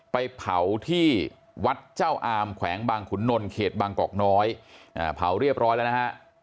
ไปเผาที่วัดเจ้าอามแขวงบางขุนนลเขตบางกอกน้อยเผาเรียบร้อยแล้วนะฮะ